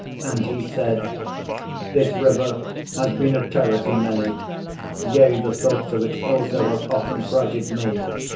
And he said: This river has been a terror to many; yea, the thoughts of it also have often frighted me.